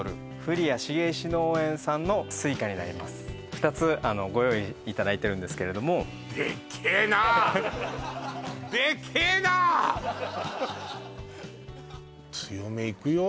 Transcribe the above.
２つご用意いただいてるんですけれどもでっけえな強めいくよ